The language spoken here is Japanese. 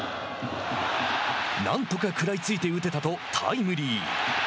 なんとか食らいついて打てたとタイムリー。